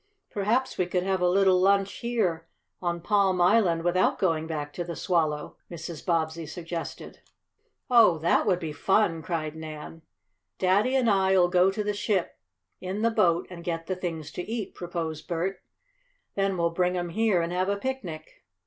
"Perhaps we could have a little lunch here, on Palm Island, without going back to the Swallow," Mrs. Bobbsey suggested. "Oh, that would be fun!" cried Nan. "Daddy and I'll go to the ship in the boat and get the things to eat," proposed Bert. "Then we'll bring 'em here and have a picnic."